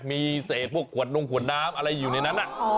มีเสธพวกหัวโน่งหัวน้ำอะไรอยู่ในนั้น